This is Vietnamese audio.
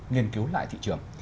nghiên cứu lại thị trường